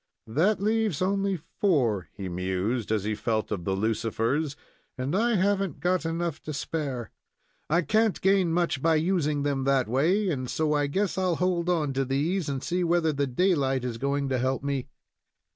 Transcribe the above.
"That leaves only four," he mused, as he felt of the lucifers, "and I haven't got enough to spare. I can't gain much by using them that way, and so I guess I'll hold on to these, and see whether the daylight is going to help me."